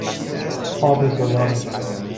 آب زلال